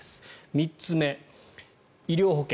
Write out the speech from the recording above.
３つ目、医療保険。